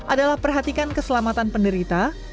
adalah perhatikan keselamatan penderita